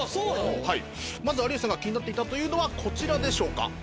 まず有吉さんが気になっていたというのはこちらでしょうか。